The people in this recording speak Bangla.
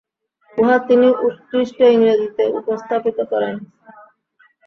উহা তিনি উৎকৃষ্ট ইংরেজীতে উপস্থাপিত করেন।